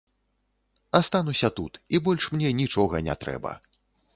Астануся тут, і больш мне нічога не трэба.